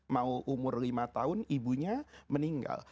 mau umur lima tahun ibunya meninggal